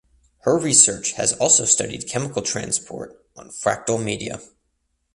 Her research has also studied chemical transport on fractal media.